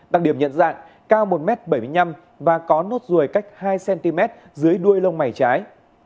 đặc điểm nhận dạng cao một m bảy mươi năm và có nốt ruồi cách hai cm dưới đuôi lông mày trái